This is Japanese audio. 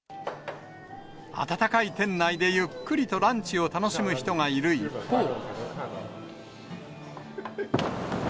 暖かい店内でゆっくりとランチを楽しむ人がいる一方。